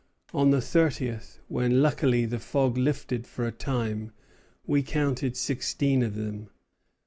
On the thirtieth, when luckily the fog lifted for a time, we counted sixteen of them.